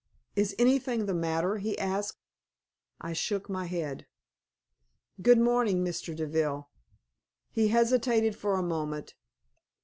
"Is anything the matter?" he asked. I shook my head. "Good morning Mr. Deville." He hesitated for a moment.